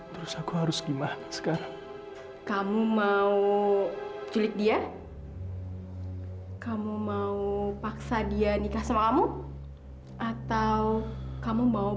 terus aku harus gimana sekarang kamu mau cilik dia kamu mau paksa dia nikah sama kamu atau kamu mau